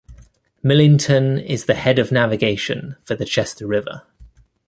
Millington is the head of navigation for the Chester River.